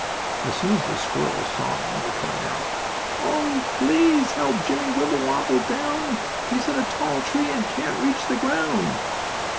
As soon as the squirrels saw him they cried out: "Oh, please help Jimmie Wibblewobble down! He's in a tall tree and can't reach the ground."